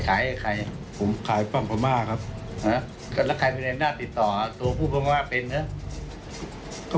คนจะทราบไหมครับไม่ทราบครับที่อีกสองคนที่ถูกจับถูกเลือก